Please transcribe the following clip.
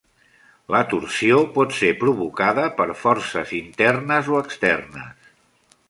La torsió pot ser provocada per forces internes o externes.